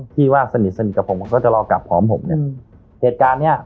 ที่ว่าสนิทสนิทกับผมแล้วก็จะรอกลับพร้อมผมเนี่ยเหตุการณ์เนี้ย